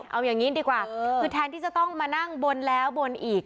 เอาอย่างนี้ดีกว่าคือแทนที่จะต้องมานั่งบนแล้วบนอีก